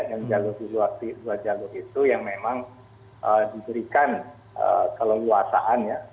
yang jalur di dua jalur itu yang memang diberikan keleluasaan ya